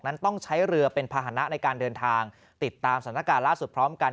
นั้นต้องใช้เรือเป็นภาษณะในการเดินทางติดตามสถานการณ์ล่าสุดพร้อมกัน